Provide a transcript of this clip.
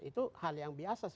itu hal yang biasa